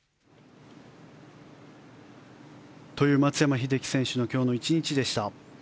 という松山英樹選手の今日の１日でした。